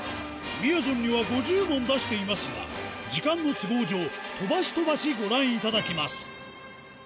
みやぞんには５０問出していますが、時間の都合上、飛ばし飛ばしご覧いただきます。